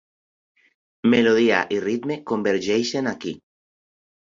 Melodia i ritme convergeixen aquí.